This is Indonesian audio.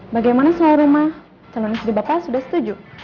bagaimana selalu rumah sama istri bapak sudah setuju